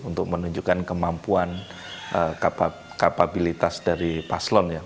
untuk menunjukkan kemampuan kapabilitas dari paslon ya